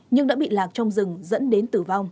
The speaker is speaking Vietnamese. nhưng đã bị lạc trong rừng dẫn đến tử vong